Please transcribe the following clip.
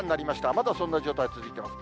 まだそんな状態続いています。